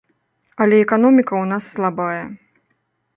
Але эканоміка ў нас слабая.